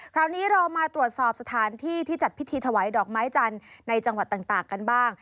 คราวนี้เรามาตรวจสอบสถานที่ที่จัดพิธีถวายดอกไม้จันทร์ในจังหวัดต่างกันบ้าง